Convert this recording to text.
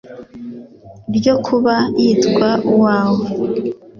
ryo kuba yitwa uwawe